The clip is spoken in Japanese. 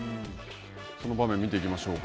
その場面、見ていきましょうか。